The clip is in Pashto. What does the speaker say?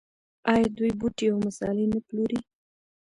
آیا دوی بوټي او مسالې نه پلوري؟